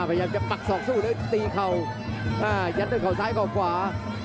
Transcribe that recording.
พยายามจะปักศอกสู้แล้วตีเข่ายัดด้วยเขาซ้ายเขาขวา